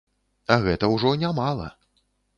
А гэта ўжо нямала.